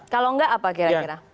kalau enggak apa kira kira